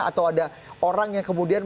atau ada orang yang kemudian